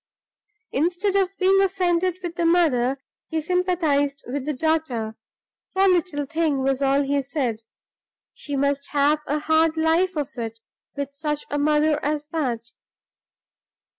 Instead of being offended with the mother, he sympathized with the daughter. "Poor little thing," was all he said, "she must have a hard life of it with such a mother as that!"